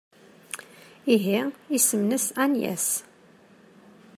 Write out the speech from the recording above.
Ihi, isem-nnes Agnes.